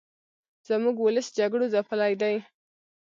زموږ ولس جګړو ځپلې دې